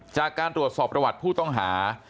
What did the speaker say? จากการตรวจสอบประวัติผู้ต้องหา